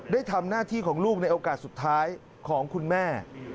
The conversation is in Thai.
ได้ทำหน้าที่ของลูกในโอกาสสุดท้ายของคุณแม่